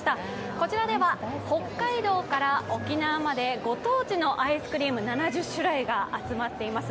こちらでは北海道から沖縄までご当地のアイスクリーム、７０種類が集まっています。